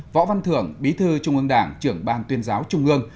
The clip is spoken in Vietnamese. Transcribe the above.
võ văn thưởng bí thư trung ương đảng trưởng ban tuyên giáo trung ương